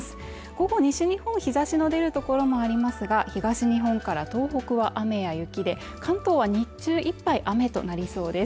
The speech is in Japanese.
ここ西日本日差しの出るところもありますが、東日本から東北は雨や雪で、関東は日中いっぱい雨となりそうです。